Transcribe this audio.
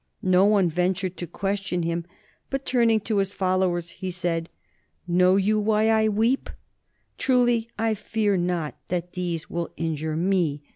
No one ventured to question him: but turning to his fol lowers he said, " Know ye why I weep? Truly I fear not that these will injure me.